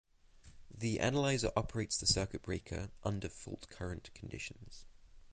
The analyzer operates the circuit breaker under fault current conditions.